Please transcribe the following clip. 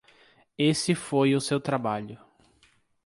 Esse foi o seu trabalho.